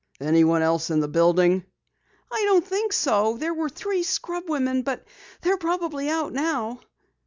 "Anyone else in the building?" "I don't think so. There were three scrub women, but they're probably out now."